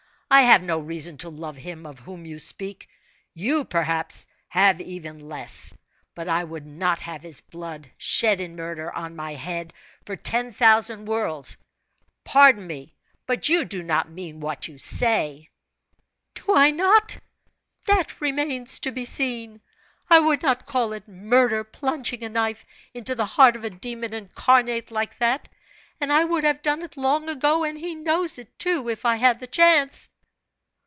I have no reason to love him of whom you speak you, perhaps, have even less; but I would not have his blood, shed in murder, on my head, for ten thousand worlds! Pardon me, but you do not mean what you say." "Do I not? That remains to be seen! I would not call it murder plunging a knife into the heart of a demon incarnate like that, and I would have done it long ago and he knows it, too, if I had the chance!"